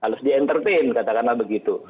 harus di entertain katakanlah begitu